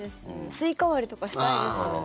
スイカ割りとかしたいです。